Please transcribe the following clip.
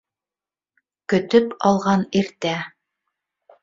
КӨТӨП АЛГАН ИРТӘ